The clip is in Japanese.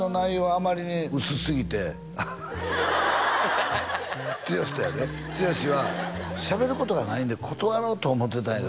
あまりに薄すぎて剛とやで剛は「しゃべることがないんで断ろうと思ってたんやけど」